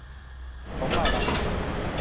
ของบารัค